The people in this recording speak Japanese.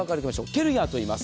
ケルヒャーといいます。